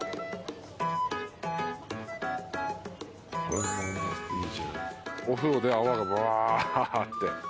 お風呂で泡がバーッて。